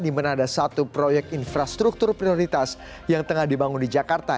di mana ada satu proyek infrastruktur prioritas yang tengah dibangun di jakarta